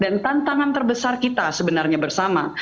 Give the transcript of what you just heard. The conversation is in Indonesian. dan tantangan terbesar kita sebenarnya bersama